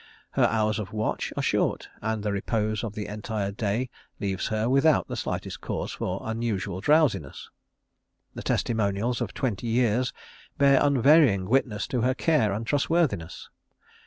Her hours of watch are short, and the repose of the entire day leaves her without the slightest cause for unusual drowsiness. The testimonials of twenty years bear unvarying witness to her care and trustworthiness.